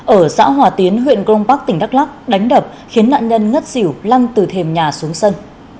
ở xã hòa tiến huyện công bắc tỉnh đắk lắc đánh đập khiến nạn nhân ngất xỉu lăng từ thềm nhà xuống sân